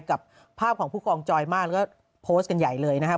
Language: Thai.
กับภาพของผู้กองจอยมากแล้วก็โพสต์กันใหญ่เลยนะครับ